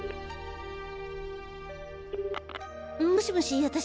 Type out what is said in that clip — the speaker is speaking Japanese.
もしもし私。